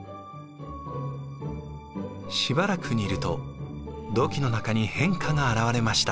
しばらく煮ると土器の中に変化が表れました。